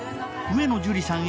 上野樹里さん